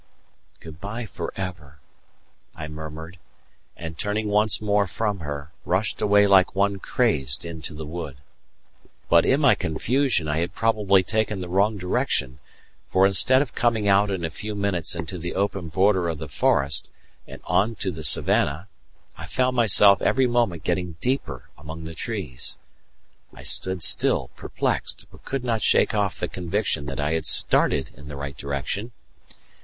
"Good bye for ever!" I murmured, and turning once more from her, rushed away like one crazed into the wood. But in my confusion I had probably taken the wrong direction, for instead of coming out in a few minutes into the open border of the forest, and on to the savannah, I found myself every moment getting deeper among the trees. I stood still, perplexed, but could not shake off the conviction that I had started in the right direction.